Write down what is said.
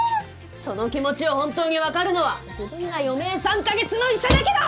その気持ちを本当にわかるのは自分が余命３カ月の医者だけだ！